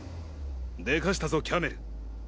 でかしたぞキャメル！